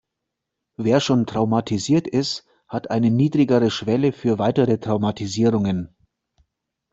Wer schon traumatisiert ist, hat eine niedrigere Schwelle für weitere Traumatisierungen.